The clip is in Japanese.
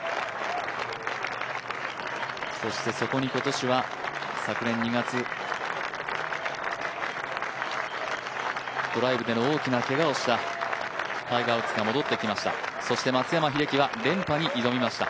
そしてそこに今年は昨年２月、ドライブで大きなけがをしたタイガー・ウッズが戻ってきました